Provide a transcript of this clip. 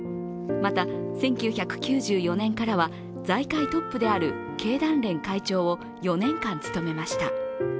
また、１９９４年からは財界トップである経団連会長を４年間務めました。